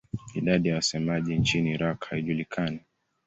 Idadi ya wasemaji nchini Iraq haijulikani.